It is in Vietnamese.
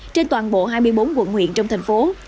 trên toàn bộ hai mươi bốn quận huyện trong thành phố